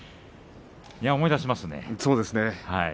思い出しますね。